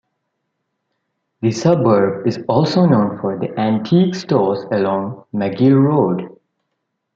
The suburb is also known for the antique stores along Magill Road.